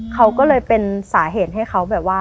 เขาก็เลยเป็นสาเหตุให้เขาแบบว่า